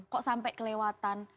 kok sampai kelewatan